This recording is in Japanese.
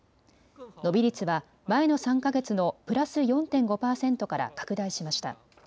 伸び率は前の３か月のプラス４．５％から拡大しました。